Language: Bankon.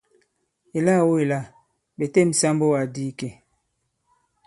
Èlâ-o èla! Ɓè têm ɓe sāmbu àdì ìkè.